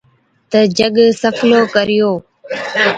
تہ جڳ سَڦلو ڪريو